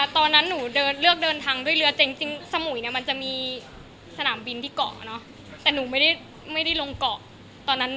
ตอนนั้นหนูเลือกเดินทางด้วยเรือจริงสมมุยเนี่ยมันจะมีสนามบินที่เกาะเนอะ